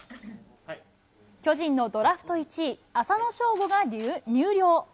巨人のドラフト１位、浅野翔吾が入寮。